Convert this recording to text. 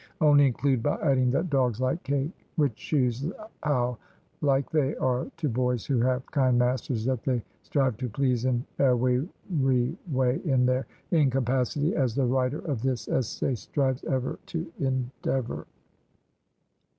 Only include by adding that dogs like cake? which Shoes how like they are to boys who have kind masters that they strive to pleas in ewery way in Their incapacity as the righter of this esay strives ever to endevor."